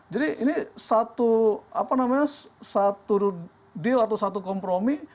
jadi ini satu deal atau satu kompromi